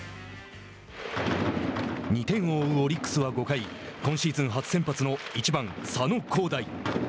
２点を追うオリックスは５回今シーズン初先発の１番、佐野皓大。